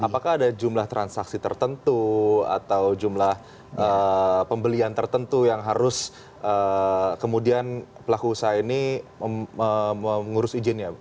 apakah ada jumlah transaksi tertentu atau jumlah pembelian tertentu yang harus kemudian pelaku usaha ini mengurus izinnya